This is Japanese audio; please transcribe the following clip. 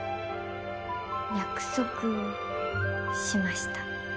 約束しました。